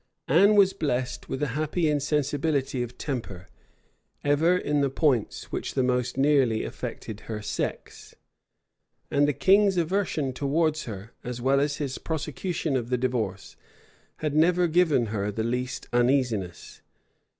Anne was blest with a happy insensibility of temper, ever in the points which the most nearly affect her sex; and the king's aversion towards her, as well as his prosecution of the divorce, had never given her the least uneasiness.